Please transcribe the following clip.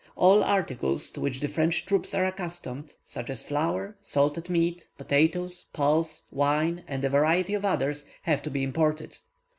All articles to which the French troops are accustomed, such as flour, salted meat, potatoes, pulse, wine, and a variety of others, have to be imported.